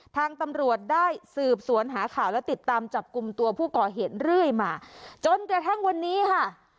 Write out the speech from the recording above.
ทางตำรวจได้สืบสวนหาข่าวและติดตามจับกลุ่มตัวผู้ก่อเหตุเรื่อยมาจนกระทั่งวันนี้ค่ะ